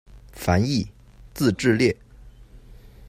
樊毅，字智烈。